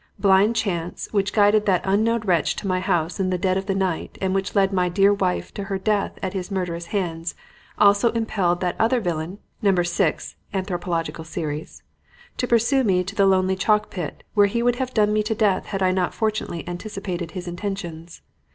Blind chance, which guided that unknown wretch to my house in the dead of the night and which led my dear wife to her death at his murderous hands, also impelled that other villain (Number 6, Anthropological Series) to pursue me to the lonely chalk pit, where he would have done me to death had I not fortunately anticipated his intentions.